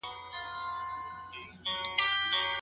که دښمن پر ښار هجوم راوړي نو څه بايد وشي؟